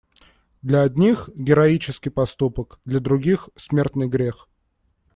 Для одних - героический поступок, для других - смертный грех.